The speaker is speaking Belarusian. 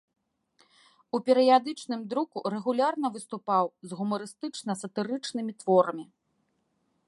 У перыядычным друку рэгулярна выступаў з гумарыстычна-сатырычнымі творамі.